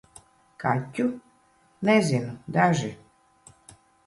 Kaķu? Nezinu - daži.